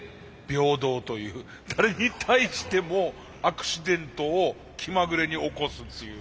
誰に対してもアクシデントを気まぐれに起こすっていう。